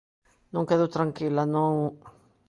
Non quedo tranquila, non...